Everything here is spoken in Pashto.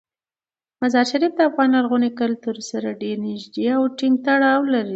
مزارشریف د افغان لرغوني کلتور سره ډیر نږدې او ټینګ تړاو لري.